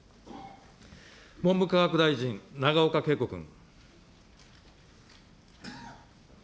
文部科学大臣、永岡桂子君。